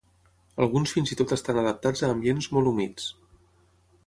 Alguns fins i tot estan adaptats a ambients molt humits.